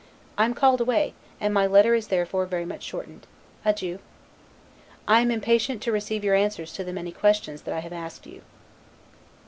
I am called away, and my letter is therefore very much shortened. Adieu. I am impatient to receive your answers to the many questions that I have asked you.